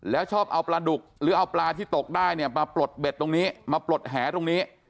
แล้วชอบเอาปลาดุกหรือเอาปลาที่ตกได้เนี่ยมาปลดเบ็ดตรงนี้มาปลดแหตรงนี้